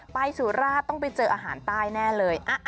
สุราชต้องไปเจออาหารใต้แน่เลย